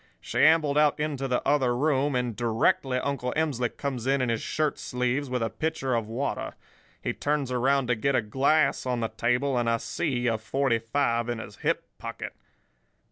She ambled out into the other room, and directly Uncle Emsley comes in in his shirt sleeves, with a pitcher of water. He turns around to get a glass on the table, and I see a forty five in his hip pocket.